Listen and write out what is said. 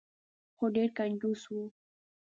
خو ډیر کنجوس و.